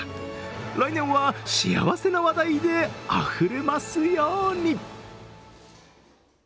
来年は幸せな話題であふれますように。